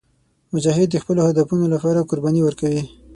مجاهد د خپلو هدفونو لپاره قرباني ورکوي.